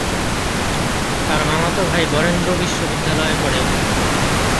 তার মামাতো ভাই বরেন্দ্র বিশ্ববিদ্যালয়ে পড়ে।